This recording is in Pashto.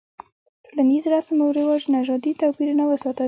ټولنیز رسم او رواج نژادي توپیرونه وساتل.